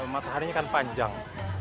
mataharinya kan panjang